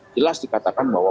jelas dikatakan bahwa